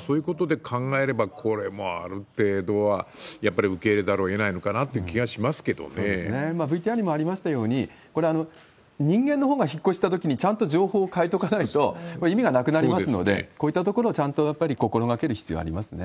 そういうことで考えれば、これもある程度はやっぱり受け入れざるをえないのかなという気がＶＴＲにもありましたように、これは人間のほうが引っ越したときにちゃんと情報を変えとかないと、意味がなくなりますので、こういったところをちゃんとやっぱり心がける必要がありますね。